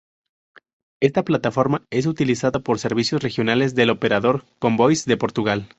Esta plataforma es utilizada por servicios regionales del operador Comboios de Portugal.